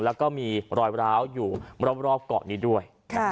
แล้วก็มีรอยร้าวอยู่รอบเกาะนี้ด้วย